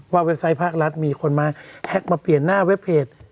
เว็บไซต์ภาครัฐมีคนมาแฮ็กมาเปลี่ยนหน้าเว็บเพจ